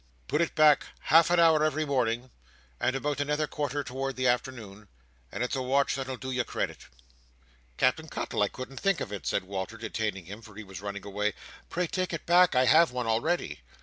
Put it back half an hour every morning, and about another quarter towards the arternoon, and it's a watch that'll do you credit." "Captain Cuttle! I couldn't think of it!" cried Walter, detaining him, for he was running away. "Pray take it back. I have one already."